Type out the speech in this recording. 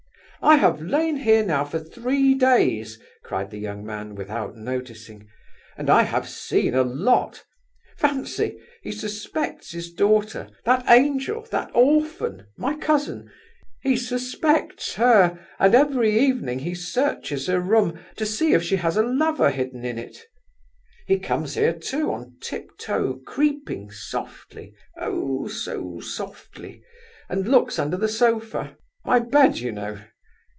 "I have lain here now for three days," cried the young man without noticing, "and I have seen a lot! Fancy! he suspects his daughter, that angel, that orphan, my cousin—he suspects her, and every evening he searches her room, to see if she has a lover hidden in it! He comes here too on tiptoe, creeping softly—oh, so softly—and looks under the sofa—my bed, you know.